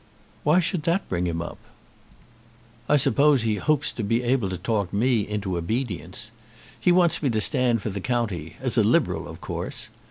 "Why should that bring him up?" "I suppose he hopes to be able to talk me into obedience. He wants me to stand for the county as a Liberal, of course.